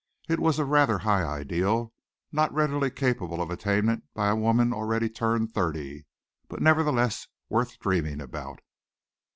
It was a rather high ideal, not readily capable of attainment by a woman already turned thirty, but nevertheless worth dreaming about.